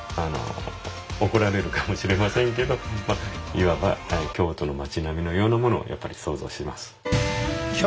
いわば京都の町並みのようなものをやっぱり想像します。